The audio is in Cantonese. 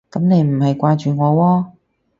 噉你唔係掛住我喎